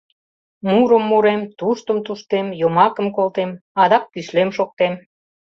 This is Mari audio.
Мурым мурем, туштым туштем, йомакым колтем, адак кӱслем шоктем.